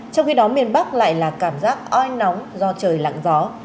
trong khi đó miền bắc lại là cảm giác oi nóng do trời lặng gió